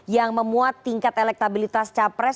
yang memuat tingkat elektabilitas capres